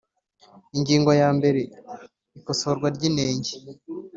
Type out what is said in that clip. Ingingo ya mbere Ikosorwa ry inenge